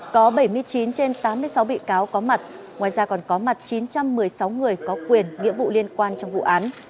có bảy mươi chín trên tám mươi sáu bị cáo có mặt ngoài ra còn có mặt chín trăm một mươi sáu người có quyền nghĩa vụ liên quan trong vụ án